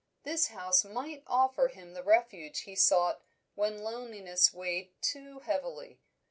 This house might offer him the refuge he sought when loneliness weighed too heavily.